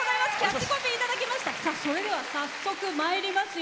それでは早速まいりますよ。